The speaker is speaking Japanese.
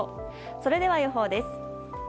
それでは予報です。